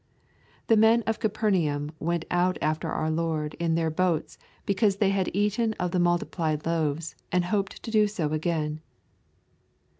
The men of Capernaum went out after our Lord in their boats because they had eaten of the multiplied loaves and hoped to do so again.